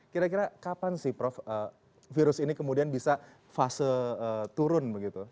kira kira kapan sih prof virus ini kemudian bisa fase turun begitu